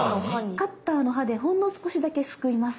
カッターの刃でほんの少しだけすくいます。